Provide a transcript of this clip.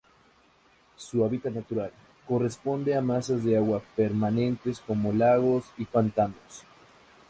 Su hábitat natural corresponde a masas de agua permanentes como lagos y pantanos.